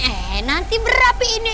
eh nanti berapiinnya